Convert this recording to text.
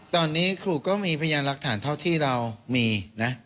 ตอนนี้ครูก็มีพยานหลักฐานเท่าที่เรามีนะ